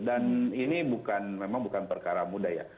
dan ini memang bukan perkara mudah ya